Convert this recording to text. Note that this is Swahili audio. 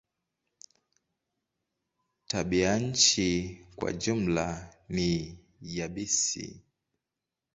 Tabianchi kwa jumla ni yabisi.